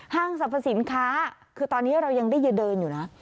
สรรพสินค้าคือตอนนี้เรายังได้เดินอยู่นะ